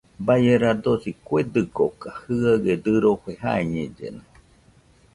Baie radosi kue dɨkoka, jɨaɨe dɨrofe jaiñellena